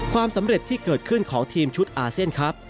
ความสำเร็จที่เกิดขึ้นของทีมชุดอาเซียนครับ